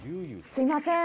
すいません。